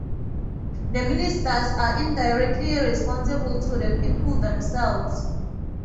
The ministers are indirectly responsible to the people themselves.